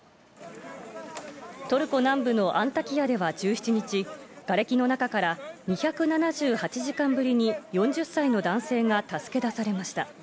トルコ南部のアンタキヤでは１７日、がれきの中から２７８時間ぶりに４０歳の男性が助け出されました。